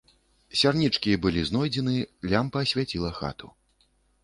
Сярнічкі былі знойдзены, лямпа асвятліла хату.